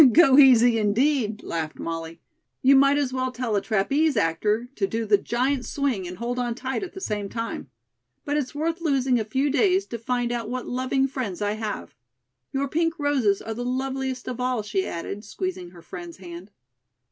"Go easy, indeed," laughed Molly. "You might as well tell a trapeze actor to do the giant swing and hold on tight at the same time. But it's worth losing a few days to find out what loving friends I have. Your pink roses are the loveliest of all," she added, squeezing her friend's hand.